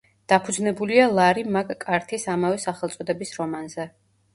დაფუძნებულია ლარი მაკ-კართის ამავე სახელწოდების რომანზე.